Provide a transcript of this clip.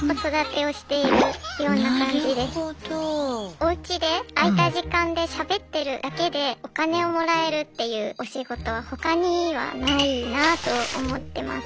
おうちで空いた時間でしゃべってるだけでお金をもらえるっていうお仕事は他にはないなと思ってます。